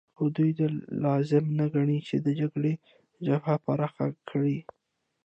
خو دوی دا لازم نه ګڼي چې د جګړې جبهه پراخه کړي